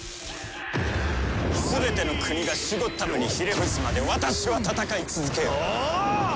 全ての国がシュゴッダムにひれ伏すまで私は戦い続けよう！